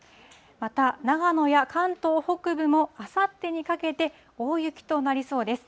また、長野や関東北部も、あさってにかけて大雪となりそうです。